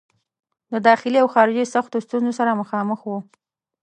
د داخلي او خارجي سختو ستونزو سره مخامخ وو.